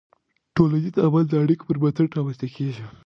ټولنیز عمل د اړیکو پر بنسټ رامنځته کېږي.